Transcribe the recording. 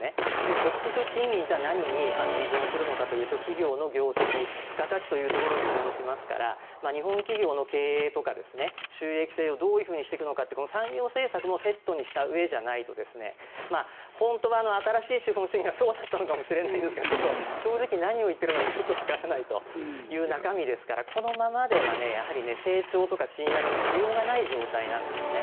結局賃金というのは何に依存するかというと企業の業績付加価値というところに依存しますから日本企業の経営とか収益性をどうしていくかこの産業政策もセットにしたうえじゃないと本当は新しい資本主義がそうだったのかもしれませんがちょっと正直何を言っているのかよくわからない中身ですからこのままでは成長とか賃上げのしようがない状態なんですね。